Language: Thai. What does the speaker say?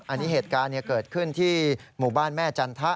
อันนี้เหตุการณ์เกิดขึ้นที่หมู่บ้านแม่จันทะ